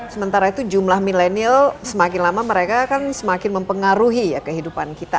sementara itu jumlah milenial semakin lama mereka akan semakin mempengaruhi ya kehidupan kita